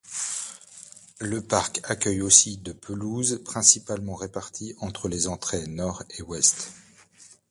Le parc accueille aussi de pelouses principalement réparties entre les entrées nord et ouest.